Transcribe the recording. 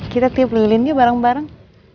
kita tiup lilinnya bareng bareng